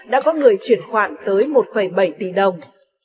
đã có người chuyển khoản tới một bảy tỷ đồng